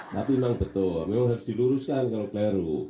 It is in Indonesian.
tapi memang betul memang harus diluruskan kalau peleru